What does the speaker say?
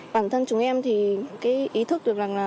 bản thân chúng em thì cái ý thức được rằng là